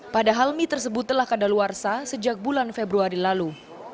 padahal mie tersebut telah kadaluarsa sejak bulan februari lalu